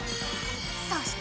そして！